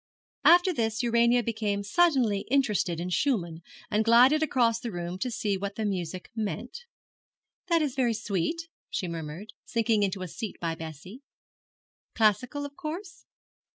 After this Urania became suddenly interested in Schumann, and glided across the room to see what the music meant. 'That is very sweet,' she murmured, sinking into a seat by Bessie; 'classical, of course?'